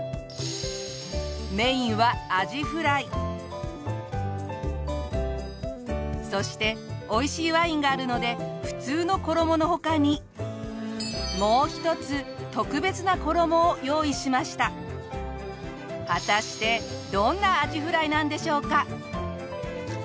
メインはそしておいしいワインがあるので普通の衣の他にもう一つ果たしてどんなアジフライなんでしょうか？